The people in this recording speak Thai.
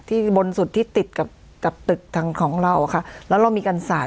บนสุดที่ติดกับกับตึกทางของเราอะค่ะแล้วเรามีการสาด